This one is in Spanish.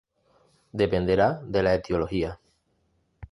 Dependerá de la etiología.